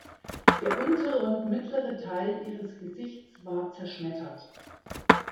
Der untere und mittlere Teil ihres Gesichts war zerschmettert.